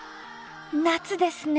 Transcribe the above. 夏ですね。